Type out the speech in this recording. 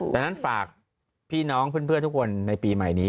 ดังนั้นฝากพี่น้องเพื่อนทุกคนในปีใหม่นี้